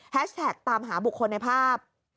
แท็กตามหาบุคคลในภาพ